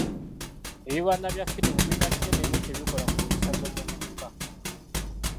Ebibanda bya firimu birina kinene nnyo kyebikola ku mpisa z’omuvubuka.